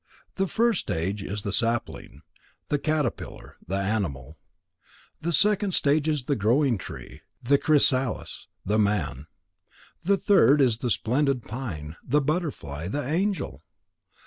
The first stage is the sapling, the caterpillar, the animal. The second stage is the growing tree, the chrysalis, the man. The third is the splendid pine, the butterfly, the angel.